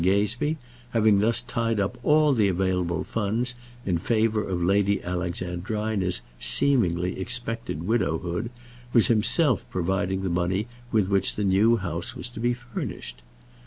Gazebee, having thus tied up all the available funds in favour of Lady Alexandrina's seemingly expected widowhood, was himself providing the money with which the new house was to be furnished.